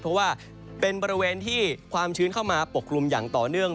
เพราะว่าเป็นบริเวณที่ความชื้นเข้ามาปกกลุ่มอย่างต่อเนื่อง